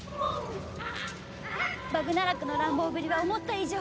バグナラクの乱暴ぶりは思った以上。